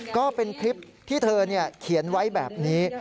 ก็เป็นคลิปที่เธอเขียนไว้แบบนี้